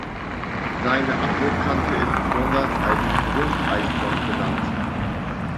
Seine Abbruchkante ist gesondert als "Brunt-Eisfront" benannt.